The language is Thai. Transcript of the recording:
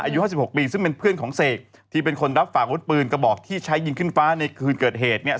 อายุห้าสิบหกปีซึ่งเป็นเพื่อนของเสกที่เป็นคนรับฝากวุฒิปืนกระบอกที่ใช้ยิงขึ้นฟ้าในคืนเกิดเหตุเนี่ย